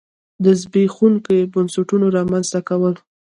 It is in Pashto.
د زبېښونکو بنسټونو رامنځته کول.